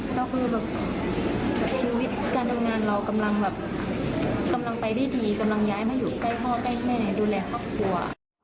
ก็คือชีวิตการทำงานเรากำลังไปดีย้ายมาอยู่ใกล้พ่อใกล้แม่ดูแลครอบครัว